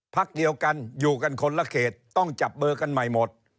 พักเดียวกันอยู่กันคนละเขตต้องจับเบอร์กันใหม่หมด